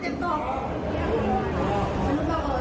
เจ้าหน้าที่อยู่ตรงนี้กำลังจะปัด